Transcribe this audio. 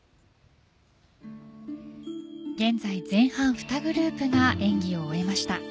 現在、前半２グループが演技を終えました。